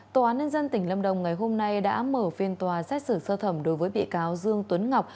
tòa án nhân dân tỉnh lâm đồng ngày hôm nay đã mở phiên tòa xét xử sơ thẩm đối với bị cáo dương tuấn ngọc